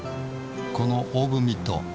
このオーブンミット